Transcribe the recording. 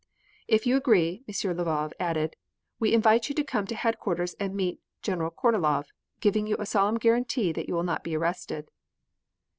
"If you agree," M. Lvov added, "we invite you to come to headquarters and meet General Kornilov, giving you a solemn guarantee that you will not be arrested."